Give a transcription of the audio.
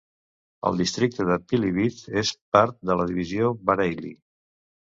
El districte de Pilibhit és part de la Divisió Bareilly.